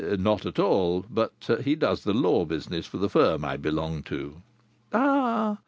"Not at all; but he does the law business for the firm I belong to." "Ah!